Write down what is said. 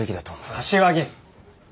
柏木！